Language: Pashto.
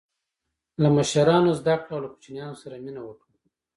له مشرانو زده کړه او له کوچنیانو سره مینه وکړه.